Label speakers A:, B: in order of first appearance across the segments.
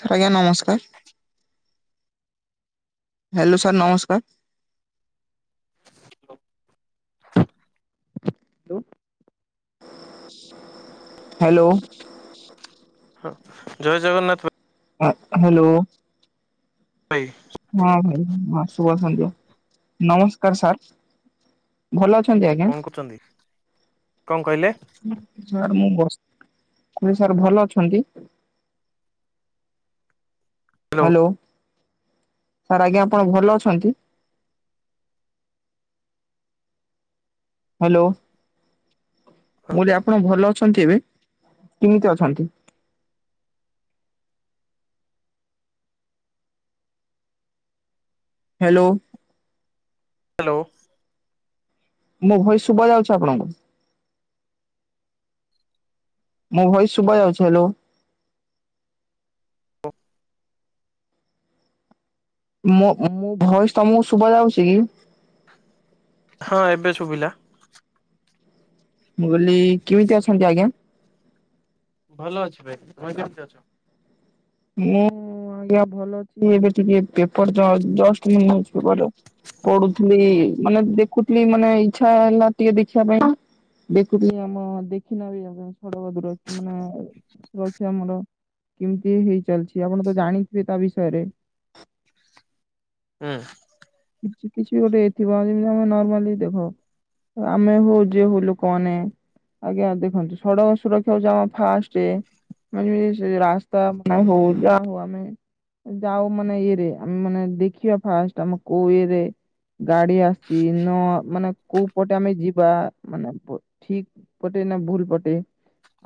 A: Sir ଆଜ୍ଞା ନମସ୍କାର। Hello sir ନମସ୍କାର। ହ୍ୟାଲୋ। ହ୍ୟାଲୋ।
B: ଜୟ ଜଗନ୍ନାଥ ପ
A: ହା ହ୍ୟାଲୋ।
B: ଭାଇ
A: ହଁ ଭାଇ, ହଁ ଶୁଭ ସନ୍ଧ୍ୟା। ନମସ୍କାର ସାର୍। ଭଲ ଅଛ ଛନ୍ତି ଆଜ୍ଞା?
B: କଣ କରୁଛନ୍ତି? କଣ କହିଲେ?
A: ସାର୍ ମୁଁ ବର୍ତ୍ତ ନାଇଁ ସାର୍ ଭଲ ଅଛନ୍ତି? ହ୍ୟାଲୋ। ସାର୍ ଆଜ୍ଞା ଆପଣ ଭଲ ଅଛନ୍ତି? ହ୍ୟାଲୋ। ମୁଁ କହିଲି ଆପଣ ଭଲ ଅଛନ୍ତି ଏବେ, କେମିତି ଅଛନ୍ତି? ହ୍ୟାଲୋ।
B: [unintelligible]
A: ମୋ ଭଏସ୍ ଶୁଭା ଯାଉଛି ଆପଣଙ୍କୁ? ମୋ ଭଏସ୍ ଶୁଭା ଯାଉଛି ହ୍ୟାଲୋ। ମୋ ମୁଁ ଭଏସ ତମକୁ ଶୁଭା ଯାଉଛି କି?
B: ହଁ ଏବେ ଶୁଭିଲା।
A: ମୁଁ କହିଲି କେମିତି ଅଛନ୍ତି ଆଜ୍ଞା?
B: ଭଲ ଅଛି ଭାଇ। ତମେ କେମତି ଅଛ?
A: ମୁଁ ହଁ ଆଜ୍ଞା ଭଲ ଅଛି। ଏବେ ଟିକେ ପେପର ଜ-ଜଷ୍ଟ ବି ନିୟୁଜପେପରର ପଢୁଥିଲି ମାନେ ଦେଖୁଥିଲି ମାନେ ଇଚ୍ଛା ହେଲା ଟିକେ ଦେଖିଆ ପାଇଁ ନା। ଦେଖୁଥିଲି ଆମ ଦେଖିନ ବି ଆମ ପାଇଁ ସଡ଼କ ଦୂର ମାନେ ସୁରକ୍ଷା ଆମର କେମିତି ହେଇ ଚାଲିଚି? ଆପଣ ତ ଜାଣିଥିବେ ତା ବିଷୟରେ
B: ହୁଁ।
A: କିଛି କିଛି ଗୋଟେ ଏଇ ଥିବ ଯେମିତି ଆମେ ନର୍ମାଲି ଦେଖ ଆମେ ହଉ ଯିଏ ହଉ ଲୋକମାନେ ଆଜ୍ଞା। ଦେଖନ୍ତୁ, ସଡକ ସୁରକ୍ଷା ହଉଚି ଆମ ଫାଷ୍ଟେ ମାନେ ଯେ ସେଇ ରାସ୍ତା ମାନ ହଉ ଯା ହଉ ଆମେ ଯାଉ ମାନେ ଇଏରେ, ଆମେ ମାନେ ଦେଖିବା ଫାଷ୍ଟ ଆମ କୋଉ ଇଏରେ ଗାଡି ଆସିଚି ନ ମାନେ କୋଉ ପଟେ ଆମେ ଯିବା, ମାନେ କୋ ଠିକ ପଟେ ଭୁଲ ପଟେ,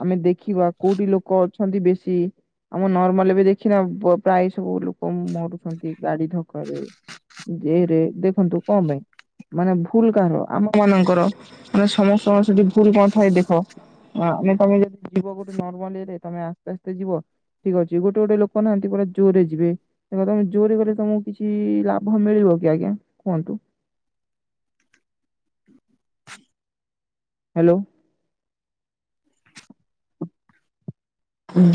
A: ଆମେ ଦେଖିବା କୋଉଠି ଲୋକ ଅଛନ୍ତି ବେଶୀ। ଆମ ନର୍ମାଲ ଏବେ ଦେଖିନା, ପ୍ରାୟ ସବୁ ଲୋକ ମରୁଛନ୍ତି ଗାଡି ଧକ୍କାରେ। ଯେରେ ଦେଖନ୍ତୁ କ ପାଇଁ? ମାନେ ଭୁଲ କାହାର, ଆମ ମାନଙ୍କର। ମାନେ ସମସ୍ତଙ୍କର ସେଠି ଭୁଲ କଣ ଥାଏ ଦେଖ ଆମେ ତମେ ଯଦି ଯିବ ଗୋଟେ ନର୍ମାଲ ଇଏରେ ତମେ ଆସ୍ତେ ଆସ୍ତେ ଯିବ ଠିକ ଅଛି। ଗୋଟେ ଗୋଟେ ଲୋକ ନାହାଁନ୍ତି ପୁରା ଜୋରେ ଯିବେ। ତେବେ ତମେ ଜୋରେ ଗଲେ ତମକୁ କିଛି ଲାଭ ଭ ମିଳିବ କି ଆଜ୍ଞା କୁଅନ୍ତୁ? ହ୍ୟାଲୋ।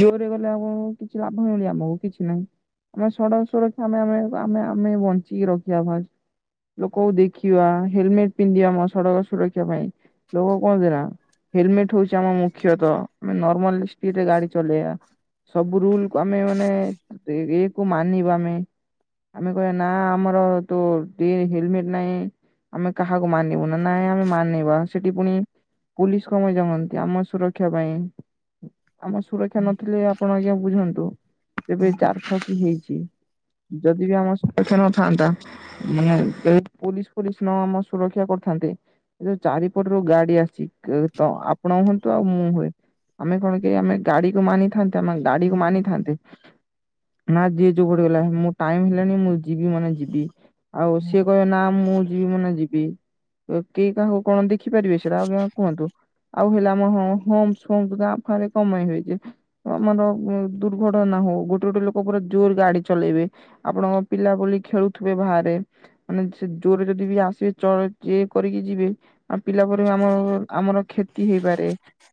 A: ଜୋରେ ଗଲେ ଆଉ କଣ କଣ କିଛି ଲାଭ ମିଳିବ ଆମକୁ, କିଛି ନାଇଁ। ଆମେ ସଡ଼କ ସୁରକ୍ଷା ଆମେ ଆମେ ଆମେ ଆମେ ବଞ୍ଚିକି ରଖିବା ଫାଷ୍ଟ୍। ଲୋକକୁ ଦେଖିବା, ହେଲମେଟ ପିନ୍ଧିଆ ଆମ ସଡକ ସୁରକ୍ଷା ପାଇଁ। ଲୋକ କଅନ୍ତିନା, ହେଲମେଟ ହଉଛି ଆମ ମୁଖ୍ୟତଃ ମାନେ ନରମାଲି ସ୍ପିଡ୍ ରେ ଗାଡି ଚଲେଇବା। ସବୁ ରୁଲ ଆମେ ମାନେ ଇ କୁ ମାନିବା ଆମେ। ଆମେ କହିଆ ନା ଆମର ତୁ ଏ ହେଲମେଟ ନାଇ। ଆମେ କାହାକୁ ମାନିବୁ ନା ନାଇଁ ଆମେ ମାନିବା ସେଠି ପୁଣି ପୋଲିସ କଣ ପାଇଁ ଜଗନ୍ତି ଆମ ସୁରକ୍ଷା ପାଇଁ। ଆମ ସୁରକ୍ଷା ନଥିଲେ ଆପଣ ଆଜ୍ଞା ବୁଝନ୍ତୁ ଏବେ ଚାରି ଛଅକି ହେଇଛି। ଯଦି ବି ଆମ ସୁରକ୍ଷା ନଥାନ୍ତା ମାନେ ପୋଲିସ ଫୋଲିସ ନ ଆମ ସୁରକ୍ଷା କରିଥାନ୍ତେ। ଏ ଯୋଉ ଚାରିପଟରୁ ଗାଡି ଆସି ତ ଆପଣ ହୁଅନ୍ତୁ ଆଉ ମୁଁ ହୁଏ ଆମେ କଣ କେ ଆମେ ଗାଡିକୁ ମାନିଥାନ୍ତେ ଆମେ ଗାଡିକୁ ମାନିଥାନ୍ତେ। ନା ଯିଏ ଯୋଉ ପଟେ ଗଲା ମୁ ଟାଇମ ହେଲାଣି ମୁଁ ଯିବି ମାନେ ଯିବି। ଆଉ ସିଏ କହଇ ନା ମୁଁ ଯିବି ମାନେ ଯିବି କିଏ କାହାକୁ କରନ୍ତି ଦେଖି ପାରିବେ ସେଇଟା ଆଜ୍ଞା କୁହନ୍ତୁ ଆଉ ହେଲା ଆମ ହମ୍ପସ ଫମ୍ପସ ଗାଁ ଫାରେ କମେଇ ଦେଇଚି। ଆମର ଦୁର୍ଘଟନା ହଉ। ଗୋଟେ ଗୋଟେ ଲୋକ ପୁରା ଜୋରେ ଗାଡି ଚଲେଇବେ ଆପଣଙ୍କ ପିଲା ବୋଲି ଖେଳୁଥିବେ ବାହାରେ ମାନେ ସେ ଜୋରେ ଯଦି ବି ଆସିବେ ଚଳ ଇଏ କରିକି ଯିବେ ଆ ପିଲା ପରେ ଆମର ଆମର କ୍ଷତି ହେଇପାରେ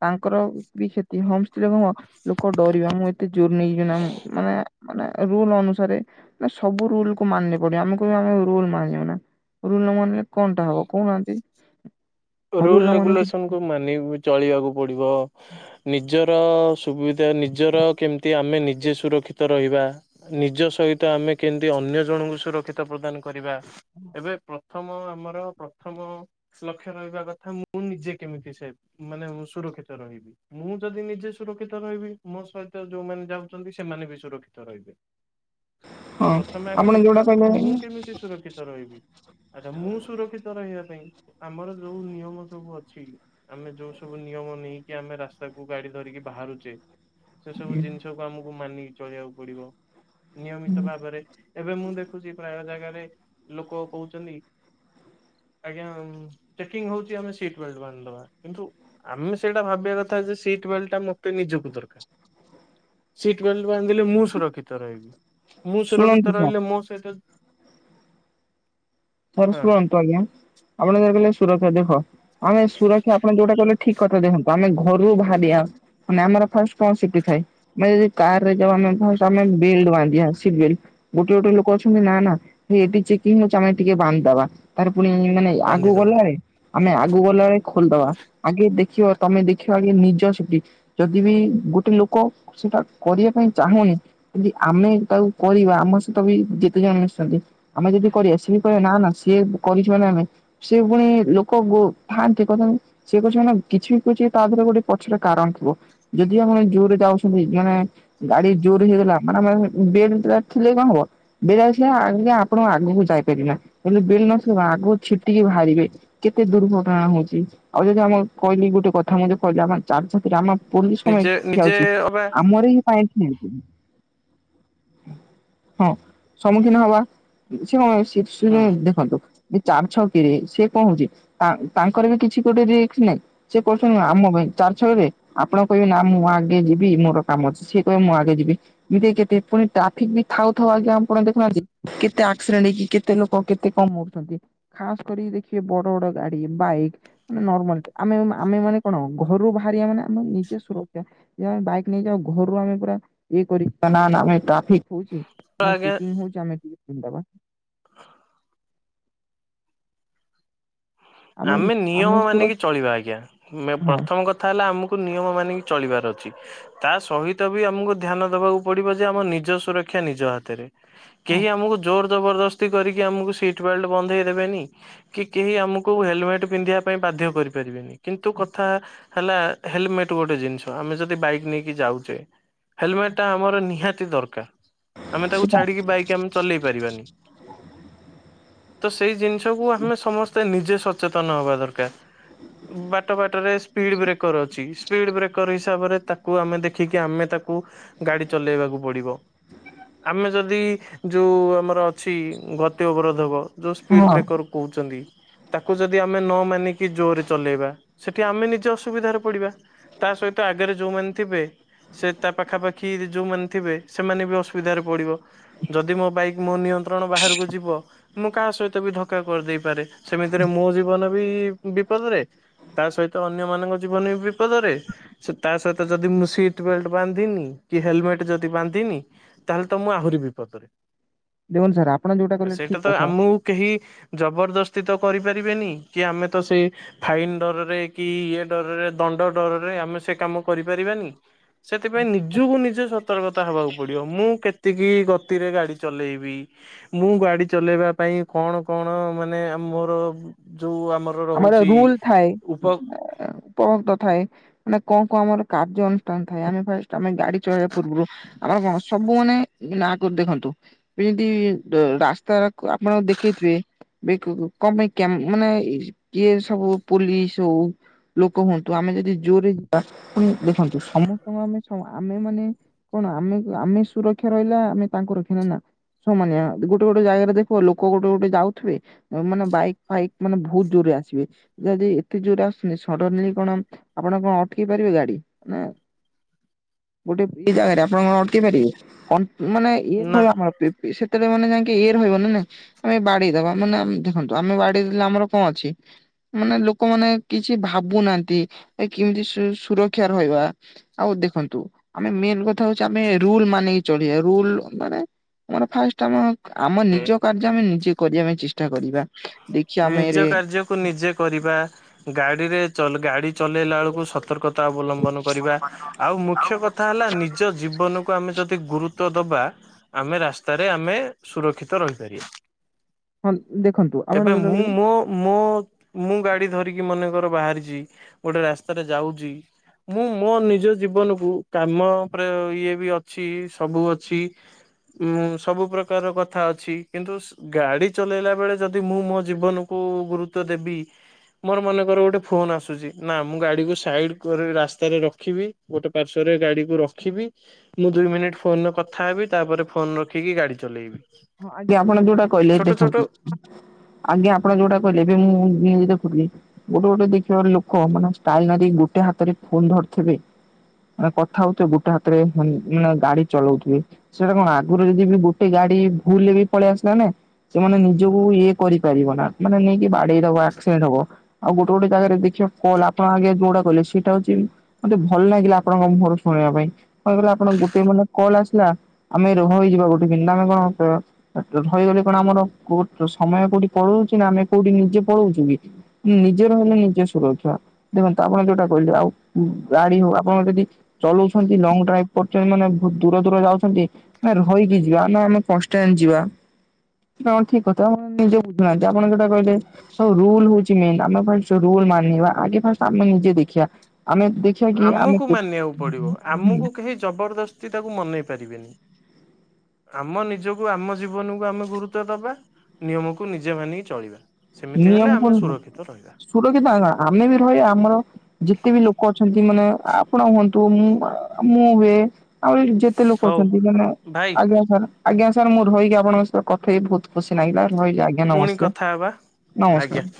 A: ତାଙ୍କର ବି କ୍ଷତି ହମ୍ପସ ଥିଲେ କଣ ଲୋକ ଡରିବେ ମୁଁ ଏତେ ଜୋର ନେଇଯିବି ନା ମାନେ ମାନେ ରୁଲ ଅନୁସାରେ ସବୁ ରୁଲ କୁ ମାନେ ପଡିବ ଆମେ କହିବା ଆମେ ରୁଲ ମାନିବୁନା। ରୁଲ ନ ମାନିଲେ କଣଟା ହବ କହୁନାହାନ୍ତି। ଆଉ
B: ରୁଲ
A: ମାନେ କି
B: ରେଗୁଲେସନ କୁ ମାନି ଚଳିବାକୁ ପଡିବ। ନିଜର ସୁବିଧା ନିଜର କେମତି ଆମେ ନିଜେ ସୁରକ୍ଷିତ ରହିବା। ନିଜ ସହିତ ଆମେ କେମିତି ଅନ୍ୟ ଜଣଙ୍କୁ ସୁରକ୍ଷିତ ପ୍ରଦାନ କରିବା। ଏବେ ପ୍ରଥମ ଆମର ପ୍ରଥମ ଲକ୍ଷ ରହିବା କଥା ମୁଁ ନିଜେ କେମିତି ସେ ମାନେ ସୁରକ୍ଷିତ ରହିବି ମୁଁ ଯଦି ନିଜେ ସୁରକ୍ଷିତ ର ମୋ ସହିତ ଯୋଉମାନେ ଯାଉଛନ୍ତି ସେମାନେ ବି ସୁରକ୍ଷିତ ରହିବେ।
A: ହଁ
B: ପ୍ରଥମେ ଆଗ
A: ଆପଣ
B: ଦେଖିବା
A: ଯୋଉଟା
B: କଥା ମୁଁ
A: କହିଲେ
B: କେମିତି ସୁରକ୍ଷିତ ରହିବି। ଆଚ୍ଛା ମୁଁ ସୁରକ୍ଷିତ ରହିବା ପାଇଁ ଆମର ଯୋଉ ନିୟମ ସବୁ ଅଛି ଆମେ ଯୋଉ ସବୁ ନିୟମ ନେଇକି ଆମେ ରାସ୍ତାକୁୁ ଗାଡି ଧରିକି ବାହାର [unintelligible] ସେ ସବୁ ଜିନିଷକୁ ଆମକୁ ମାନିକି ଚଳିବାକୁ ପଡିବ। ନିୟମିତ ଭାବରେ ଏବେ ମୁଁ ଦେଖୁଛି ପ୍ରାୟ ଜାଗା ଜାଗାରେ ଲୋକ କହୁଛନ୍ତି ଆଜ୍ଞା ଚେକିଙ୍ଗ ହଉଛି ଆମେ ସିଟ ବେଲ୍ଟ ବାନ୍ଧିଦବା କିନ୍ତୁ ଆମେ ସେଇଟା ଭାବିବା କଥା ଯେ ସିଟ ବେଲ୍ଟଟା ମତେ ନିଜକୁ ଦରକାର ସିଟ ବେଲଟ ବାନ୍ଧିଲେ ମୁଁ ସୁରକ୍ଷିତ ରହିବି। ମୁଁ ସୁରକ୍ଷିତ
A: ଶୁଣନ୍ତୁ
B: ରହିଲେ ମୋ ସହିତ
A: ସର
B: ହଁ
A: ଶୁଣନ୍ତୁ ଆଜ୍ଞା ଆପଣ [unintelligible] ସୁରକ୍ଷା ଦେଖ ଆମେ ସୁରକ୍ଷା ଆପଣ ଯୋଉଟା କହିଲେ ଠିକ କଥା ଦେଖନ୍ତୁ ଆମେ ଘରୁ ବାହାରିବା ମାନେ ଆମର ଫାଷ୍ଟ କଣ ସିଟି ଥାଏ ଆମେ ଯଦି କାର ରେ ଯ ଫାର୍ଷ୍ଟ ଆମେ ବେଲ୍ଟ ବାନ୍ଧିବା ସିଟ୍ ବେଲ୍ଟ ଗୋଟେ ଗୋଟେ ଲୋକ ଅଛନ୍ତି ନା ନା ଏଠି ଚେକିଂ ହୋଉଛି ଆମେ ଟିକେ ବାନ୍ଧଦବା ତାର ପୁଣି ମାନେ ଆଗକୁ
B: ବାନ୍ଧିଦବା
A: ଗଲାଳେ ଆମେ ଆଗକୁ ଗଲାବେଳେ ଖୋଲିଦବା ଆଗେ ଦେଖିବ ତମେ ଦେଖିବା ଆଗେ ନିଜ ସେପଟି ଯଦି ବି ଗୋଟେ ଲୋକ ସେଇଟା କରିବା ପାଇଁ ଚାହୁଁନି ଯଦି ଆମେ ତାକୁ କରିବା ଆମ ସହିତ ବି ଯେ ଯେତେ ଜଣ ମିଶନ୍ତି ଆମେ ଯଦି କରିବା ସିଏ କହିବେ ନା ନା ସିଏ କରିଛି ମାନେ ଆମେ ସେ ପୁଣି ଲୋକ ଥାଆନ୍ତି କଥା ସିଏ କରିଚି ମାନେ ଆ କିଛି ବି କଛି ତା ଦେହରେ ଗୋଟେ ପଛରେ କାରଣ ଥିବ ଯଦି ଆପଣ ଜୋର ରେ ଯାଉଛନ୍ତି ଜଣେ ଗାଡି ଜୋର ହେଇଗଲା ମାନେ [unintelligible] ଥିଲେ କଣ ହବ [unintelligible] ଥିଲେ ଆଗ ଆପଣ ଆଗକୁ ଯାଇପାରେନା। ହେଲେ ବେଲ ନଥିଲେ ଆଗକୁ ଛିଟିକି ବାହାରିବେ କେତେ ଦୁର୍ଘଟଣା ହଉଛି ଆଉ ଯଦି ଆମ କହିଲେ ଏ ଗୋଟେ କଥା ମୁ କହିଲି ଆମ ଚାରି ଛକିରେ ଆମ ପୋଲିସ କଣ
B: ନିଜେ
A: ପାଇଁ
B: ନିଜେ
A: ଠିଆଉଛି
B: ଅବା
A: ଆମର ହି ପାଇଁ। [unintelligible] ହଁ ସମ୍ମୁଖୀନ ହବା [unintelligible] ସେ
B: ହୁଁ
A: ଦେଖନ୍ତୁ ଚାରି ଛକିରେ ସେ କଣ ହଉଛି ତା-ତାଙ୍କର ବି କିଛି ଗୋଟେ ରିସ୍କ ନାହିଁ ସେ କଛନ୍ତି ଆମ ପାଇଁ ଚାରି ଛକିରେ ଆପଣ କହିବେ ନା ମୁଁ ଆଗେ ଯିବି ମୋର କାମ ଅଛି ସେଏ କହିବେ ମୁଁ ଆଗେ ଯିବି ଏମି଼ତି କେତେ ପୁଣି ଟ୍ରାଫିକ୍ ବି ଥାଉ ଥାଉ ଆଜ୍ଞା ଆପଣ ଦେଖୁନାହାନ୍ତି କେତେ ଆକ୍ସିଡେଣ୍ଟ ହେଇକି କେତେ କେତେ ଲୋକ କେତେ କମ କରୁଛନ୍ତି ଖାସ କରି ଦେଖିବେ ବଡ ବଡ ଗାଡି ବାଇକ୍ ମାନେ ନର୍ମାଲ ଆମେ ଆମେ ମାନେ କଣ ଘରୁ ବାହାରିବା ମାନେ ଆମେ ନିଜେ ସୁରକ୍ଷା ଯମେ ବାଇକ୍ ନେଇଯାଉ ଘରୁ ଆମେ ପୁରା ଇଏ କରି ନାଁ ନାଁ ନାଁ ଆମେ ଟ୍ରାଫିକ୍ କହୁଛି
B: ତ
A: ମାନେ
B: ଆଜ୍ଞା
A: ଚେକକିଙ୍ଗ ହୋଉଛି ଆମେ ପିନ୍ଦିଦବା।
B: [inaudible] ଆମେ ନିୟମ ମାନିକି ଚଳିବା ଆଜ୍ଞା ମ୍
A: ହଁ
B: ପ୍ରଥମ କଥା ହେଲା ଆମକୁ ନିୟମ ମାନିକି ଚଳିବାର ତା ସହିତ ବି ଆମକୁ ଧ୍ୟାନ ଦବାକୁ ପଡିବ ଯେ ଆମ ନିଜ ସୁରକ୍ଷା ନିଜ ହାତରେ।
A: ହଁ
B: କେହି ଆମକୁ ଜୋର ଜବରଦସ୍ତି କରି ଆମକୁ ସିଟ ବେଲଟ ବନ୍ଧେଇ ଦେବେନି। କି କେହି ଆମକୁ ହେଲମେଟ ପିନ୍ଧିବା ପାଇଁ ବାଧ୍ୟ କରିପାରିବେନି। କିନ୍ତୁ କଥା ହେଲା ହେଲମେଟ ଗୋଟେ ଜିନିଷ ଆମ ଆମେ ଯଦି ବାଇକ ନେଇକି ଯାଉଛେ ହେଲମେଟ
A: ହଁ
B: ଟା ଆମର ନିହାତି ଦରକାର। ଆମେ ତାକୁ
A: ସେଟା
B: ଛାଡିକି ବାଇକ ଆମେ ଚଲେଇ ପାରିବାନି। ତ ସେଇ ଜିନିଷକୁୁ ଆମେ ସମସ୍ତେ ନିଜେ ସଚେତନ ହବା ଦରକାର ବାଟ ବାଟରେ ସ୍ପିଡ ବ୍ରେକର ଅଛି। ଅଛି ସ୍ପୀଡ଼ ବ୍ରେକର ହିସାବରେ ତା କୁ ଆମେ ଦେଖିକି ଆମେ ତାକୁ ଗାଡି ଚଲେଇବାକୁ ପଡିବ। ଆମେ ଯଦି ଯୋଉ ଆମର ଛି ଗତି ଅବରୋଧକ ଯେଉଁ ସ୍ପିଡ଼୍
A: ହଁ
B: ବ୍ରେକର କହୁଛନ୍ତି। ତାକୁ ଯଦି ଆମେ ନ ମାନିକି ଜୋରରେ ଚଲେଇବା ସେଠି ଆମେ ନିଜେ ଅସୁବିଧାରେ ପଡିବା। ତା ସହିତ ଆଗରେ ଯୋଉମାନେ ଥିବେ ସେ ତା ପାଖାପାଖି ଯୋଉମାନେ ଥିବେ ସେମାନେ ବି ଅସୁବିଧାରେ ପଡିବ। ଯଦି ମୋ ବାଇକ ମୋ ନିଅ ଣ ବାହାରକୁ ଯିବ ମୁଁ କାହା ସହିତ ବି ଧକା କରିଦେଇ ପାରେ ସେମିତିରେ ମୋ ଜୀବନ ବି ବିପଦରେ ତା ସହିତ ଅନ୍ୟ ମାନଙ୍କ ଜୀବନ ବି ବିପଦରେ ତା ସହିତ ଯଦି ସିଟ ବେଲଟ ବାନ୍ଧିନି କି ହେଲମେଟ ଯଦି ବାନ୍ଧିନି ତାହେଲେ ତ ମୁଁ ଆହୁରି ବିପଦରେ।
A: ଦେଖନ୍ତୁ ସାର୍ ଆପଣ ଯୋଉଟା କହିଲେ
B: ସେଇଟା
A: ଠିକ
B: ତ
A: କଥା।
B: ଆମକୁ କେହି ଜବରଦସ୍ତ କରିପାରିବେନି କି ଆମେ ତ ସେ ଫାଇନ ଡରରେ କି ଇଏ ଡରରେ ଦଣ୍ଡ ଡରରେ ଆମେ ସେ କାମ କରିପାରିବାନି। ସେଥିପାଇଁ ନିଜକୁ ନିଜେ ସତର୍କତା ହବାକୁ ପଡିବ। ମୁଁ କେତିକି ଗତିରେ ଗାଡି ଚଲେଇବି ମୁଁ ଗାଡି ଚଲେଇବା ପାଇଁ କଣ କଣ ମାନେ ମୋର ଯୋଉ
A: ଆମର ରୁଲ ଥାଏ
B: ଉପ
A: ଉପଭୋକ୍ତ ଥାଏ ମାନେ କଣ କଣ ଆମର କାର୍ଯ୍ୟ ଅନୁଷ୍ଠାନ ଥାଏ ଆମେ ଫାଷ୍ଟ ଆମେ ଗାଡି ଚଳେଇବା ପୂର୍ବରୁ ଆମ କଣ ସବୁ ମାନେ ନାଁ କରି ଦେଖନ୍ତୁ ଏମତି ରାସ୍ତା ଆପଣ ଦେଖିଥିବେ ବ କମ୍ କଣପାଇଁ କ୍ୟମା ମାନେ କିଏ ସବୁ ପୋଲିସ ହଉ ଲୋକ ହୁଅନ୍ତୁ ଆମେ ଯଦି ଜୋରେ ଯିବା। ପୁଣି ଦେଖନ୍ତୁ ସମସ୍ତଙ୍କୁ ଆମେ ହଁ ଆମେ ମାନେ କଣ ଆମେ ଆମେ ସୁରକ୍ଷା ରହିଲେ ଆମେ ତାଙ୍କୁ ରଖିଲେ ନା ସମାନ ଗୋଟେ ଗୋଟେ ଜାଗାରେ ଦେଖିବ ଲୋକ ଗୋଟେ ଗୋଟେ ଯାଉଥିବେ ମାନେ ବାଇକ୍ ଫାଇକ୍ ମାନେ ବହୁତ ଜୋରରେ ଆସେ। ଆସିବେ ଯଦି ଏତେ ଜୋର ଆସିବେ ସଡନଲି କଣ ଆପଣ କଣ ଅଟେଇ ପାରିବେ ଗାଡି ନା ଗୋଟେ ଏ ଜାଗାରେ ଆପଣ କଣ ଅଟକେଇ ପାରିବେ କଣ ମାନ ଇଏ
B: ନା
A: [unintelligible] କେତେବେ ମାନେ ଯାଇକି ଏୟର ରହିବନ ନା ଆମେ ବାଡେଇଦବା ମାନେ ଦେଖନ୍ତୁ ଆମେ ବାଡିେଇ ଦେେଲେ ଆମର କଣ ଅଛି? [inaudible] ମାନେ ଲୋକମାନେେ କିଛି ଭାବୁନାହାନ୍ତି ଏ କେମିତି ସୁରକ୍ଷା ରହିବା। ଆଉ ଦେଖ ଦେଖନ୍ତୁ ଆମେ ମେନ କଥା ହଉଛି ଆମେ ରୁଲ ମାନିକି ଚଳିବା ରୁଲ ମାନେ ଆମର ଫାଷ୍ଟ ଆମ ଆମ ନିଜ କାର୍ଯ୍ୟ ଆମେ ନିଜେ କରିବା ପାଇଁ ଚେଷ୍ଟା କରିବା। ଦେଖିିବା
B: ନିଜ
A: ଆମେରେ
B: କାର୍ଯ୍ୟକୁ ନିଜେ କରିବା ଗାଡିରେ ଗାଡି ଚଲେଇଲା ବେଳକୁ ସ ସତର୍କତା ଅବଲମ୍ବନ କରିବା, ଆଉ ମୁଖ୍ୟ କଥା ହେଲା ନିଜ ଜୀବନକୁ ଆମେ ଯଦି ଗୁରୁ ତ୍ୟ ଦବା ଆମେ ରାସ୍ତାରେ ଆମେ ସୁରକ୍ଷିତ ରହିପାରିବା।
A: ହଁ ଦେଖନ୍ତୁ ଆପଣ
B: ଏବେ
A: ଯୋଉଟା
B: ମୁଁ
A: କହିଲେ
B: ମୋ ମୁଁ ମୁଁ ଗାଡି ଧରିକି ମନେକର ବାହାରିଛି, ଗୋଟେ ରାସ୍ତାରେ ଯାଉଛି ମୁଁ ମୋ ନିଜ ଜୀବନକୁ କାମ [unintelligible] ଇଏ ବି ଅଛି ସବୁ ଅଛି ଉଁ ସବୁ ପ୍ରକାରର କଥା ଅଛି କିନ୍ତୁ ସ୍ ଗାଡି ଚଲେଇଲା ବେଳେ ଯଦି ମୁଁ ମୋ ଜୀବନକୁୁ ଗୁରୁତ୍ବ ଦେବି ମୋର ମନେକର ଗୋଟେ ଫୋନ୍ ଆସୁଛି, ନା ମୁଁ ଗାଡିକୁ ସାଇଡ କରି ରାସ୍ତାରେ ରଖିବି, ଗୋଟେ ପାର୍ଶ୍ଵ ରେ ଗାଡିକୁ ରଖିବି। ମୁଁ ଦୁଇ ମିନିଟ୍ ଫୋନରେ କଥା ହେବି। ତା ପରେ ଫୋନ ରଖିକି ଗାଡି ଚଲେଇବି।
A: ହଁ ଆଜ୍ଞା ଆପଣ ଯୋଉଟା କହିଲେ
B: ଛୋଟ ଛୋଟ
A: ଦେଖନ୍ତୁ ଆଜ୍ଞା ଆପଣ ଯୋଉଟା କହିଲେ ଏବେ ମୁଁ ନ୍ୟୁଜ ଦେଖୁଥିଲି ଗୋଟେ ଗୋଟେ ଦେଖିବ ଲୋକ ମାନେ ଷ୍ଟାଇଲ ମାରିକି ଗୋ ଟେ ହାତରେ ଫୋନ୍ ଧରିଥିବେ ମାନେ କଥା ହଉଥିବେ ଗୋଟେ ହାତରେ ମା-ମାନେ ଗାଡି ଚଲଉଥିବେ। ସେଇଟା କଣ ଆଗୁରୁ ଯଦି ବି ଗୋଟେ ଗାଡି ଭୁଲରେ ବି ପଳେଇ ଆସିଲା ନା ସେମାନେ ନିଜକୁ ଇଏ କରିପାରିବ ନା, ମାନେ ନେଇକି ବାଡେଇଦବ ଆକ୍ସିଡେଣ୍ଟ ହବ। ଆଉ ଗୋଟେ ଗୋଟେ ଜାଗାରେ ଦେଖିବ କଲ୍ ଆପଣ ଆଗେ ଯୋଉଗୁଡା କହିଲେ ସେଇଟା ହଉଛି ମତେ ଭଲ ଲାଗିଲା ଆପଣଙ୍କ ମୁହଁରୁ ଶୁଣିଆ ପାଇଁ। ମନେକର ଆପଣ ଗୋଟେ ମାନେ କଲ୍ ଆସି ଲା ଆମେ ରହଇଯିବା ଗୋଟେ, [unintelligible] ଆମେ କଣ ର-ର-ରହିଗଲେ କଣ ଆମର କୋଠ୍ ସମୟ କୋଉଠି ପଳଉଛି ନା ଆମେ କୋଉଠି ନିଜେ ପଳଉଚୁ କି ନିଜେ ରହିଲେ ନିଜେ ସୁରକ୍ଷା। ଦେଖନ୍ତୁ ଆପଣ ଯୋଉଟା କହିଲେ ଆଉ ଗାଡି ହଉ ଆପଣ ଯଦି ଚଲଉଛନ୍ତି ଲଙ୍ଗ୍ ଡ୍ରାଇଭ୍ କରୁଛନ୍ତି ମାନେ ବହୁତ ଦୂର ଦୂର ଯାଉଛନ୍ତି ମାନେ ରହିକି ଯିବା ନା ଆମେ କନ୍ସ୍ [unintelligible] ଯିବା ଏଇଟା କଣ ଠିକ କଥା? ନିଜେ ବୁଝୁନାହାନ୍ତି ଆପଣ ଯୋଉଟା କହିଲେ ସବୁ ରୁଲ୍ ହଉଛି ମେନ୍ ଆମ ପାଇଁ ସେ ରୁଲ୍ ମାନିବା ଆଗେ ଫାଷ୍ଟ୍ ଆମେ ନିଜେ ଦେଖିଆ।
B: ଆମୁକୁ ମାନିବାକୁ ପଡିବ। ଆମୁକୁ କେହି ଜବରଦସ୍ତି ତାକୁ ମନେଇ ପାରିବେନି। ଆମ ନିଜକୁ ଆମ ଜୀବନକୁ ଆମେ ଗୁରୁତ୍ବ ଦବା, ନିୟମକୁ ନିଜେ ମାନିକି ଚଳିବା। ସେମିତି ହେଲେ
A: ନିୟମକୁ
B: ଆମେ ସୁରକ୍ଷିତ ରହି
A: ସୁରକ୍ଷିତ ଆ-ଆ-ଆମେ ବି ରହିଆ, ଆମର ଯେତେ ବି ଲୋକ ଅଛନ୍ତି ମାନେ ଆ-ଆପଣ ହୁଅନ୍ତୁ ମୁଁ ଆ ମୁଁ ହୁଏ ଆହୁରି ଯେତେ ଲୋକ
B: ହଉ
A: ଅଛନ୍ତି ମାନେ
B: ଭାଇ
A: ଆଜ୍ଞା ସାର୍ ଆଜ୍ଞା ସାର୍ ମୁଁ ରହିକି ଆପଣଙ୍କ ସହିତ କଥା ହେଇ ବହୁତ ଖୁସି ଲାଗିଲା ରହିଲି ଆଜ୍ଞା
B: ପୁଣି
A: ନମସ୍ତେ।
B: କଥା ହେବା ଆଜ୍ଞା।
A: ନମସ୍କାର।